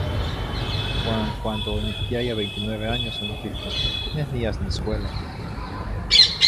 Uan cuando onipiyaya veintinueve años oniquihtoh, “Neh niyas in escuela."